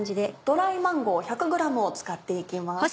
ドライマンゴー１００ｇを使って行きます。